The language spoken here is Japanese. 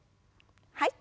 はい。